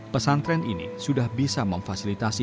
pesantren ini sudah bisa memfasilitasi